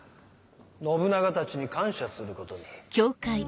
信長たちに感謝することに。